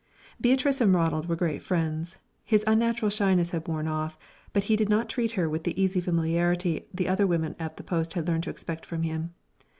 Beatrice and Ronald were great friends. His unnatural shyness had worn off, but he did not treat her with the easy familiarity the other women at the post had learned to expect from him.